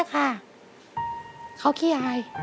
เขาคี่อาย